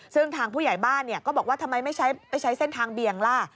ซึ่งทางผู้ใหญ่บ้านก็บอกว่าทำไมไม่ใช้เส้นทางเบี่ยงล่ะ